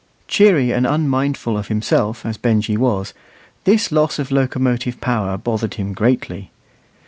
Cheery and unmindful of himself, as Benjy was, this loss of locomotive power bothered him greatly.